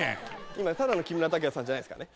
今ただの木村拓哉さんじゃないですからね。